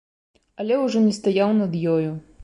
Але ўжо не стаяў над ёю.